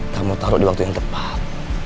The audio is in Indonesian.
kamu taruh di waktu yang tepat